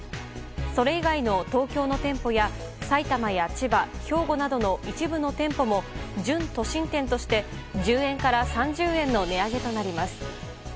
それ以外の東京の店舗や埼玉や千葉、兵庫などの一部の店舗も準都心店として１０円から３０円の値上げとなります。